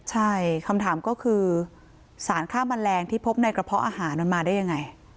ใช่คำถามก็คือสารฆ่าแมลงที่พบในกระเพาะอาหารมันมาได้ยังไง